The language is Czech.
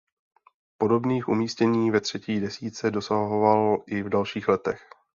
Podobných umístění ve třetí desítce dosahoval i v dalších letech.